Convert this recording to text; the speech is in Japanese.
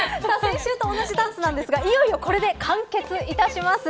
先週と同じダンスですがいよいよこれで完結いたします。